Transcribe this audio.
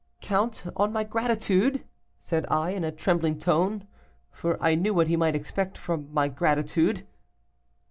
'Count on my gratitude,' said I in a trembling tone, for I knew what he might expect from my gratitude.